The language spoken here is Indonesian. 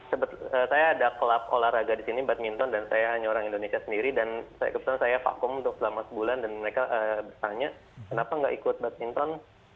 saya ada klub olahraga di sini badminton dan saya hanya orang indonesia sendiri dan kebetulan saya vakum untuk selama sebulan dan mereka bertanya kenapa gak ikut badminton